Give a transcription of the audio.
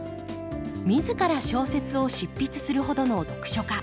自ら小説を執筆するほどの読書家